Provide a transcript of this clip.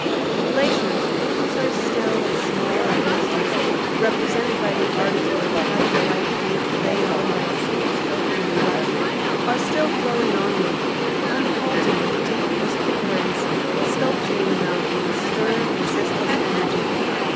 The glaciers, looking so still and small at a distance, represented by the artist with a patch of white paint laid on by a single stroke of his brush, are still flowing onward, unhalting, with deep crystal currents, sculpturing the mountain with stern, resistless energy.